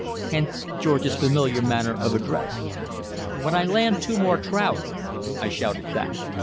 Hence George's familiar manner of address. "When I land two more trout," I shouted back.